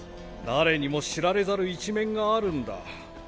誰にも知られざる一面があるんだ。